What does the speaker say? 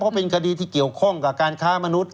เพราะเป็นคดีที่เกี่ยวข้องกับการค้ามนุษย